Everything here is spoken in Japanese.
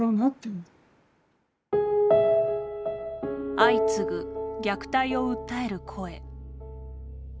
相次ぐ、虐待を訴える声。